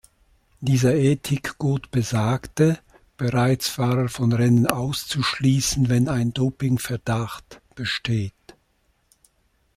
Dieser Ethik-Code besagte, bereits Fahrer von Rennen auszuschließen, wenn ein Dopingverdacht besteht.